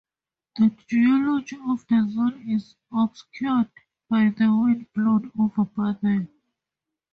The geology of the zone is obscured by the wind blown over-burden.